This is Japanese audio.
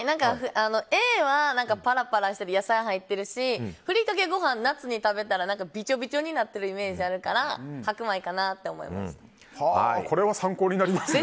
Ａはパラパラして野菜も入ってるしふりかけご飯は夏に食べたらびちょびちょになってるイメージがあるからこれは参考になりますね。